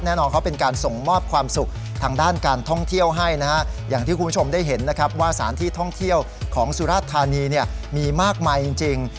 แน่นอนเขาเป็นการส่งมอบความสุขทางด้านการท่องเที่ยวให้นะฮะอย่างที่คุณผู้ชมได้เห็นนะครับว่าสถานที่ท่องเที่ยวของสุรธานีเนี่ยมีมากมายจริง